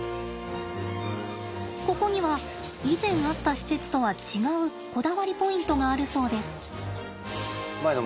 ここには以前あった施設とは違うこだわりポイントがあるそうです。